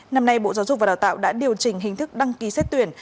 năm nay bộ giáo dục và đào tạo đã điều chỉnh hình thức đăng ký xét tuyển